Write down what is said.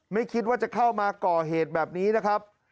ไม่คิดว่าจะเข้ามาก่อเหตุแบบนี้นะครับ